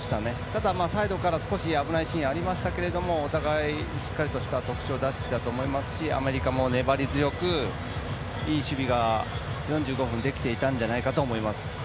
ただ、サイドから少し危ないシーンもありましたがお互い、しっかりとした特徴を出していたと思いますしアメリカも粘り強く、いい守備が４５分できていたと思います。